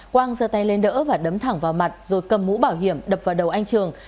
quang dơ tay lên đỡ và đấm thẳng vào mặt rồi cầm mũ bảo hiểm đập vào đầu anh trường